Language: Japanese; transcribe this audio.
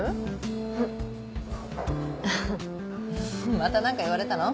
また何か言われたの？